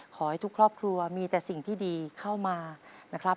ขอให้ทุกครอบครัวมีแต่สิ่งที่ดีเข้ามานะครับ